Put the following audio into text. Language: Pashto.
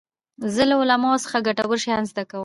زه له علماوو څخه ګټور شیان زده کوم.